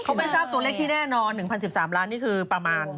เขาไม่ทราบตัวเลขที่แน่นอน๑๐๑๓ล้านนี่คือประมาณ